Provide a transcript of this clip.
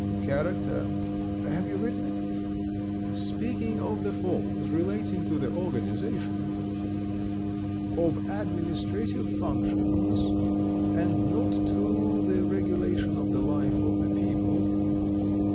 "Character ... have you written it? Speaking of the forms relating to the organization ... of administrative functions, and not to the regulation of the life of the people